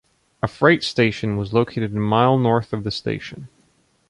A freight station was located a mile north of the station.